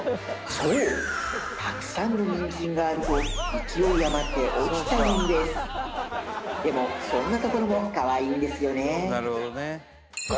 そうたくさんのニンジンがあると勢い余って落ちちゃうんですでもそんなところもかわいいんですよね